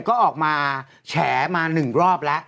ก็ออกมาแฉมาหนึ่งรอบ